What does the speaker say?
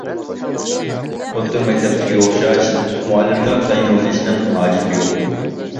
ئوتتۇرا مەكتەپتىكىگە ئوخشاش مۇئەللىمگىلا تايىنىۋېلىشنىڭ ھاجىتى يوق.